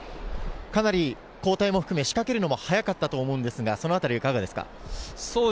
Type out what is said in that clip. かなり交代も含め、仕掛けるのも早かったと思うんですが、そのあたりはいかがですか？